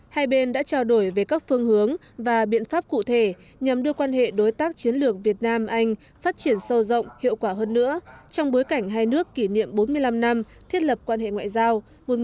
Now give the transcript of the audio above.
hai bên đã trao đổi về các phương hướng và biện pháp cụ thể nhằm đưa quan hệ đối tác chiến lược việt nam anh phát triển sâu rộng hiệu quả hơn nữa trong bối cảnh hai nước kỷ niệm bốn mươi năm năm thiết lập quan hệ ngoại giao một nghìn chín trăm bảy mươi ba hai nghìn một mươi tám